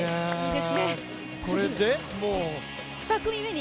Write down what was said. これでもう２組目に。